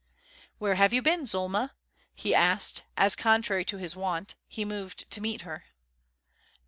"Where have you been, Zulma?" he asked, as contrary to his wont, he moved to meet her.